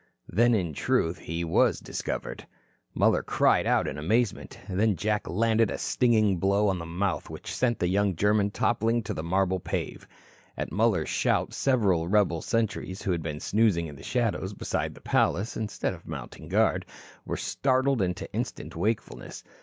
Then, in truth, he was discovered. Muller cried out in amazement. Then Jack landed a stinging blow on the mouth which sent the young German toppling to the marble pave. At Muller's shout, several rebel sentries, who had been snoozing in the shadows beside the palace, instead of mounting guard, were startled into instant wakefulness.